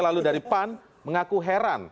lalu dari pan mengaku heran